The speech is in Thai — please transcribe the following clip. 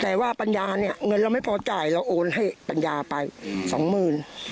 แต่ว่าปัญญาเนี่ยเงินเราไม่พอจ่ายเราโอนให้ปัญญาไปสองหมื่น